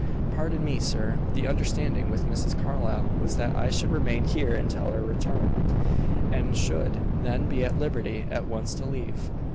"Pardon me, sir. The understanding with Mrs. Carlyle was that I should remain here until her return, and should then be at liberty at once to leave."